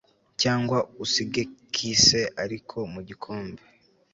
cyangwa usige kisse ariko mugikombe